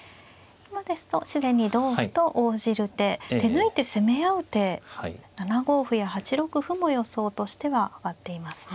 今ですと自然に同歩と応じる手手抜いて攻め合う手７五歩や８六歩も予想としては挙がっていますね。